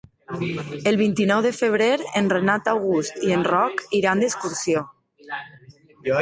El vint-i-nou de febrer en Renat August i en Roc iran d'excursió.